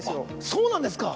そうなんですか。